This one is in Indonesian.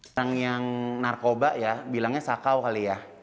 orang yang narkoba ya bilangnya sakau kali ya